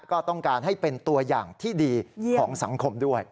ก็ต้องการให้เป็นตัวอย่างที่ดีของสังคมด้วย